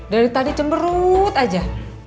dari tadi cemberut aja